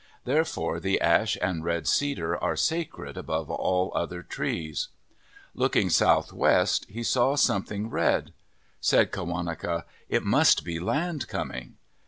Therefore the ash and red cedar are sacred above all other trees. Looking southwest, he saw something red. Said Qawaneca :" It must be land coming."